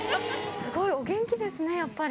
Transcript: すごいお元気ですね、やっぱり。